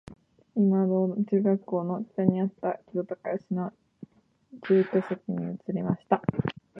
いまの銅駝中学の北にあった木戸孝允の住居跡に移りました